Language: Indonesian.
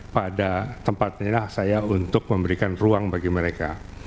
pada tempat inilah saya untuk memberikan ruang bagi mereka